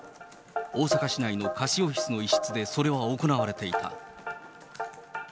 大阪市内の貸しオフィスの一室でそれは行われていた。